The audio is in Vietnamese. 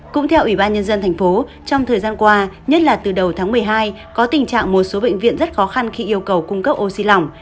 cũng theo ủy ban nhân dân thành phố trong thời gian qua nhất là từ đầu tháng một mươi hai có tình trạng một số bệnh viện rất khó khăn khi yêu cầu cung cấp oxy lỏng